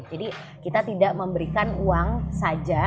jadi kita tidak memberikan uang saja